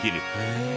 へえ。